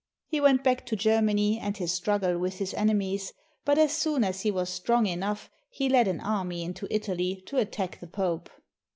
He went back to Germany and his struggle with his enemies, but as soon as he was strong enough he led an army into Italy to attack the Pope.